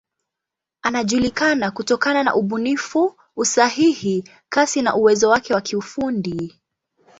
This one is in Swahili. Anajulikana kutokana na ubunifu, usahihi, kasi na uwezo wake wa kiufundi.